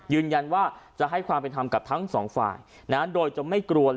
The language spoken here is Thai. ยืนยันว่าจะให้ความเป็นธรรมกับทั้งสองฝ่ายโดยจะไม่กลัวเลย